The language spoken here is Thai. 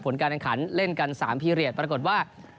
การแข่งขันเล่นกัน๓พีเรียสปรากฏว่า